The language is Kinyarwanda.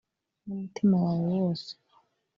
n umutima wawe wose